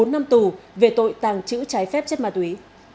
một mươi bốn năm tù về tội tàng trữ trái phép chất ma túy